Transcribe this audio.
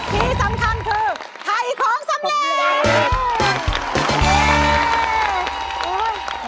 ที่สำคัญคือถ่ายของสำเร็จ